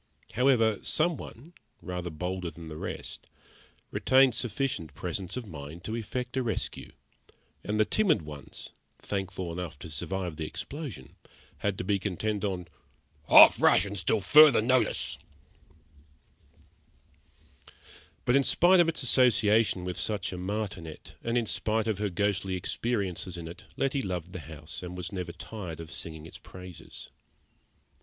However, some one, rather bolder than the rest, retained sufficient presence of mind to effect a rescue, and the timid ones, thankful enough to survive the explosion, had to be content on "half rations till further orders." But in spite of its association with such a martinet, and in spite of her ghostly experiences in it, Letty loved the house, and was never tired of singing its praises.